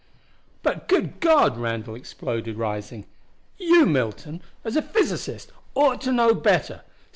"But good God!" Randall exploded, rising. "You, Milton, as a physicist ought to know better.